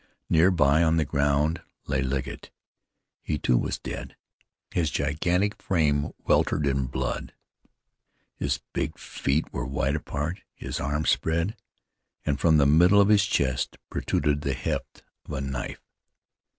Near by on the ground lay Legget. He, too, was dead. His gigantic frame weltered in blood. His big feet were wide apart; his arms spread, and from the middle of his chest protruded the haft of a knife.